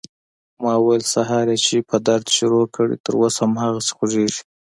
ما وويل سهار يې چې په درد شروع کړى تر اوسه هماغسې خوږېږي.